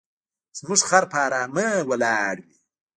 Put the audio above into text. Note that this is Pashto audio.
زموږ خر په آرامۍ ولاړ وي.